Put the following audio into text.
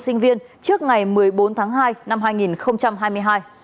sinh viên trước ngày một mươi bốn tháng hai năm hai nghìn hai mươi hai